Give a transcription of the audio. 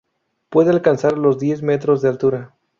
Puede alcanzar los diez metros de altura.